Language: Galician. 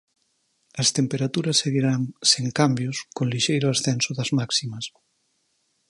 As temperaturas seguirán sen cambios con lixeiro ascenso das máximas.